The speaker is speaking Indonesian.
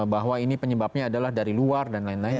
bahwa ini penyebabnya adalah dari luar dan lain lain